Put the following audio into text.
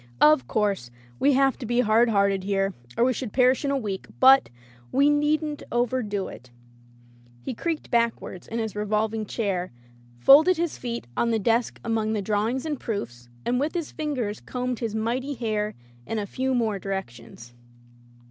"Of course we have to be hard hearted here, or we should perish in a week, but — ^we needn't overdo it." He creaked backward in his revolving [ 233 ] Digitized by LjOOQ IC Interventions chair, folded his feet on the desk among drawings and proofs, and with his fingers combed his mighty hair in a few more direc tions.